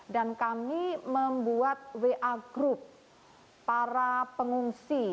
dan kami membuat wa group para pengungsi